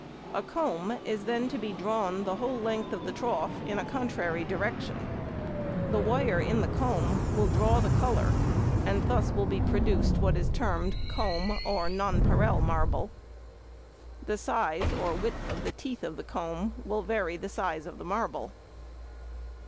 A comb is then to be drawn the whole length of the trough in a contrary direction. The wire in the comb will draw the colour, and thus will be produced what is termed comb or nonpareil marble. The size or width of the teeth of the comb will vary the size of the marble.